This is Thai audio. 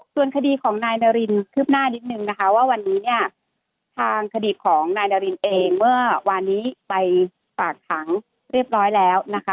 ส่วนคดีของนายนารินคืบหน้านิดนึงนะคะว่าวันนี้เนี่ยทางคดีของนายนารินเองเมื่อวานนี้ไปฝากขังเรียบร้อยแล้วนะคะ